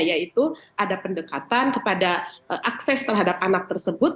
yaitu ada pendekatan kepada akses terhadap anak tersebut